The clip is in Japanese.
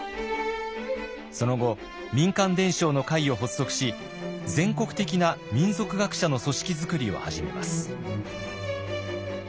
その後民間伝承の会を発足し全国的な民俗学者の組織作りを始めます。